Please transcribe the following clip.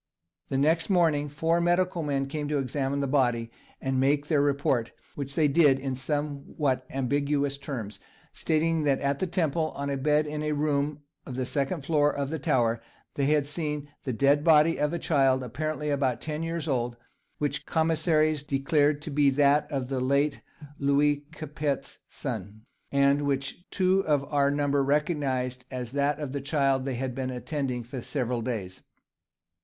The next morning four medical men came to examine the body, and make their report, which they did in somewhat ambiguous terms, stating that at the Temple on a bed in a room of the second floor of the Tower they had seen "the dead body of a child, apparently about ten years old, which the commissaries declared to be that of the late Louis Capet's son, and which two of our number recognized as that of the child they had been attending for several days."